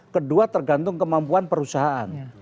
kedua tergantung kemampuan perusahaan